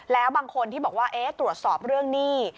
แล้วบางคนที่บอกว่าตรวจสอบเรื่องหนี้